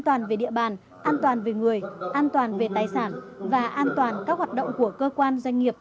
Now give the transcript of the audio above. an toàn các hoạt động của cơ quan doanh nghiệp